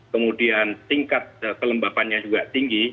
kemudian tingkat kelembabannya juga tinggi